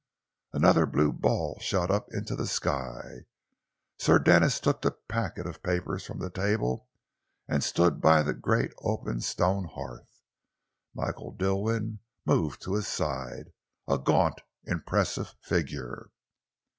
Another blue ball shot up into the sky. Sir Denis took the packet of papers from the table and stood by the great open stone hearth. Michael Dilwyn moved to his side, a gaunt, impressive figure.